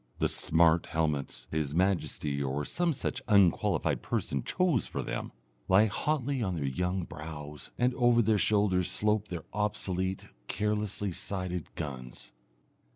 The "smart" helmets His Majesty, or some such unqualified person, chose for them, lie hotly on their young brows, and over their shoulders slope their obsolete, carelessly sighted guns.